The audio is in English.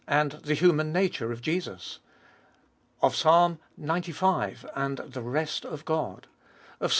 and the human nature of Jesus; of Ps. xcv. and the rest of God ; of Ps.